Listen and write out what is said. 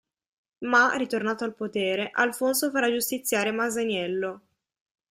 Ma, ritornato al potere, Alfonso farà giustiziare Masaniello.